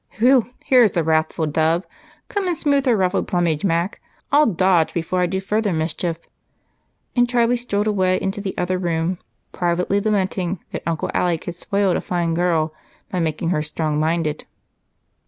"Whew! Here's a wrathful dove! Come and smooth her ruffled plumage, Mac. I'll dodge before I do further mischief," and Charlie strolled away into the other room, privately lamenting that Uncle Alec had spoiled a fine girl by making her strong minded.